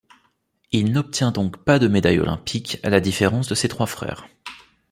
Il n'obtient donc pas de médaille olympique à la différence de ses trois frères.